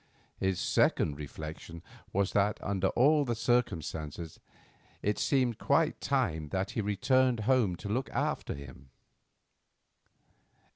His second reflection was that under all the circumstances it seemed quite time that he returned home to look after him.